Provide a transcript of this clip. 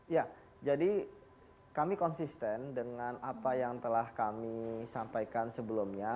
ya jadi kami konsisten dengan apa yang telah kami sampaikan sebelumnya